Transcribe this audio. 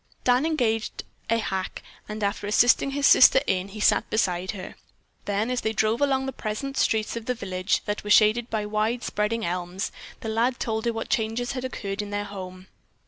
Dan engaged a hack and after assisting his sister in, he sat beside her. Then, as they drove along the pleasant streets of the village that were shaded by wide spreading elms, the lad told her what changes had occurred in their home.